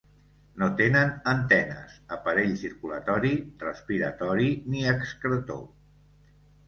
No tenen antenes, aparell circulatori, respiratori ni excretor.